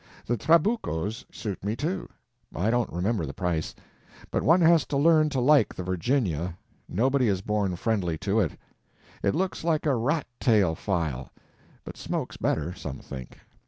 The Trabucos suit me, too; I don't remember the price. But one has to learn to like the Virginia, nobody is born friendly to it. It looks like a rat tail file, but smokes better, some think.